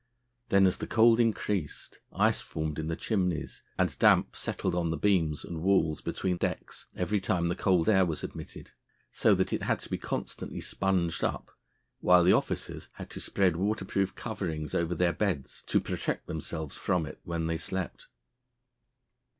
Then, as the cold increased, ice formed in the chimneys, and damp settled on the beams and walls between decks every time the cold air was admitted, so that it had to be constantly sponged up, while the officers had to spread waterproof coverings over their beds to protect themselves from it when they slept.